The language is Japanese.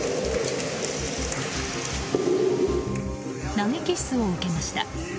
投げキッスを受けました。